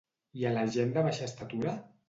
I a la gent de baixa estatura?